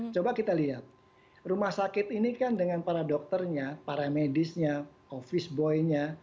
coba kita lihat rumah sakit ini kan dengan para dokternya para medisnya office boy nya